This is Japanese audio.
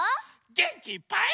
げんきいっぱい。